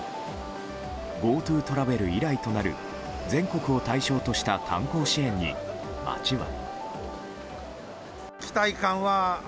ＧｏＴｏトラベル以来となる全国を対象とした観光支援に町は。